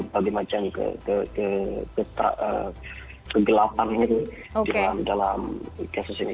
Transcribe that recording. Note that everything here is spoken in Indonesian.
bagi macam kegelapan ini dalam kasus ini